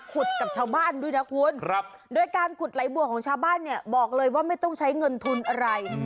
กับชาวบ้านด้วยนะคุณโดยการขุดไหลบัวของชาวบ้านเนี่ยบอกเลยว่าไม่ต้องใช้เงินทุนอะไร